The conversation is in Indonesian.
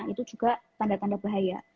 itu juga tanda tanda bahaya